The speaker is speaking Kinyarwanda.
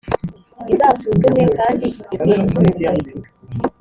izasuzumwe kandi ingenzurwe.